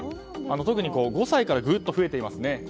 特に５歳からぐっと増えていますね。